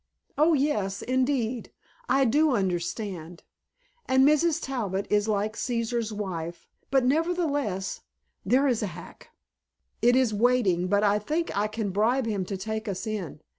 "Oh, yes, indeed. I do understand. And Mrs. Talbot is like Caesar's wife, but nevertheless there is a hack. It is waiting, but I think I can bribe him to take us in.